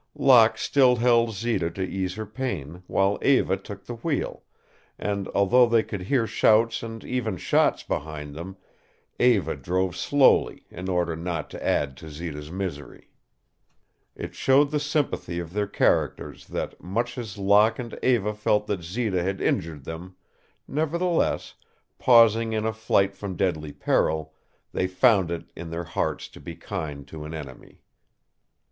Locke still held Zita to ease her pain, while Eva took the wheel, and, although they could hear shouts and even shots behind them, Eva drove slowly in order not to add to Zita's misery. It showed the sympathy of their characters that, much as Locke and Eva felt that Zita had injured them, nevertheless, pausing in a flight from deadly peril, they found it in their hearts to be kind to an enemy.